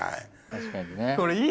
確かにね。